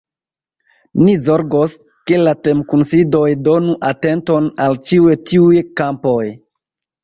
Ni zorgos, ke la temkunsidoj donu atenton al ĉiuj tiuj kampoj.